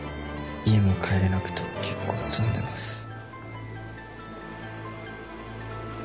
家も帰れなくて結構詰んでます